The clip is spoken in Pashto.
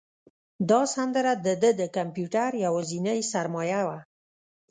دا سندره د ده د کمپیوټر یوازینۍ سرمایه وه.